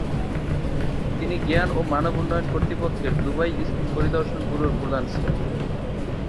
তিনি জ্ঞান ও মানব উন্নয়ন কর্তৃপক্ষের দুবাই স্কুল পরিদর্শন ব্যুরোর প্রধান ছিলেন।